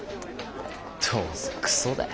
どうせクソだよ。